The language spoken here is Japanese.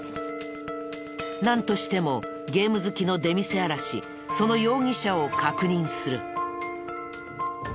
なんとしてもゲーム好きの出店あらしその容疑者を確認する。